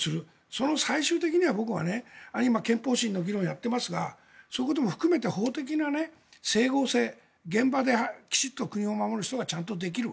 その最終的には僕は、今憲法審の議論をやっていますがそこでも含めた法的な整合性現場できちんと国を守る人がちゃんとできる。